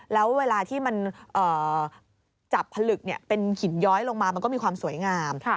แล้วเวลาที่มันจับผลึกเป็นหินย้อยลงมามันก็มีความสวยงาม